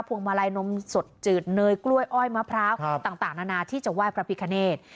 วงมาลัยนมสดจืดเนยกล้วยอ้อยมะพร้าวต่างนานาที่จะไหว้พระพิคเนต